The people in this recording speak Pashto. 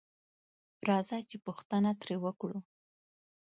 راځه چې پوښتنه تري وکړو